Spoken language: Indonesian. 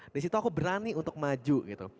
disitu aku berani untuk maju gitu